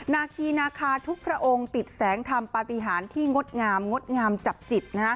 นาคีนาคาทุกพระองค์ติดแสงธรรมปฏิหารที่งดงามงดงามจับจิต